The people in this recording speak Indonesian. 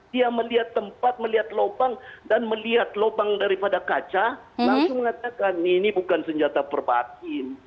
dia melihat tempat melihat lubang dan melihat lubang daripada kaca langsung mengatakan ini bukan senjata perbakin